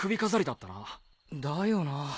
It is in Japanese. だよなぁ。